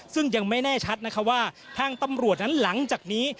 ซึ่งยังไม่แน่ชัดนะคะว่าทางตำรวจนั้นหลังจากนี้